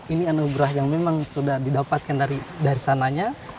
ini anugerah yang memang sudah didapatkan dari sananya